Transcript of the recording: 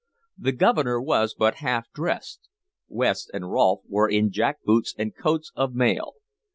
The Governor was but half dressed; West and Rolfe were in jack boots and coats of mail.